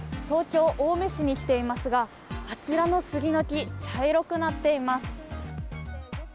東京・青梅市に来ていますが、あちらのスギの木、茶色くなっています。